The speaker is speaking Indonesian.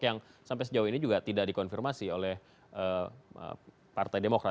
yang sampai sejauh ini juga tidak dikonfirmasi oleh partai demokrat